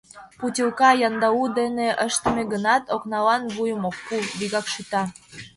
Путилка, яндау дене ыштыме гынат, окналан вуйым ок пу, вигак шӱта.